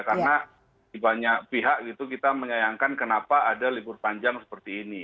karena banyak pihak kita menyayangkan kenapa ada libur panjang seperti ini